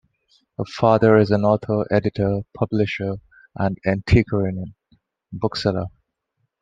Her father is an author, editor, publisher, and antiquarian bookseller.